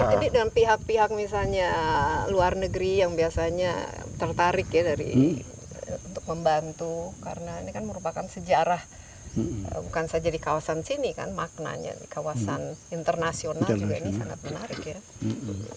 jadi dengan pihak pihak misalnya luar negeri yang biasanya tertarik ya dari untuk membantu karena ini kan merupakan sejarah bukan saja di kawasan sini kan maknanya di kawasan internasional juga ini sangat menarik ya